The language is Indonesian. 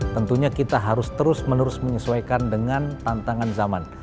tentunya kita harus terus menerus menyesuaikan dengan tantangan zaman